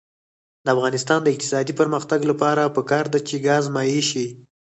د افغانستان د اقتصادي پرمختګ لپاره پکار ده چې ګاز مایع شي.